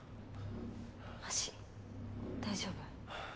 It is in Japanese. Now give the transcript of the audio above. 足大丈夫？